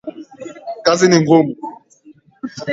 Baaa ya siku hamsini alisimamishwa na kuuwawa na Wajerumani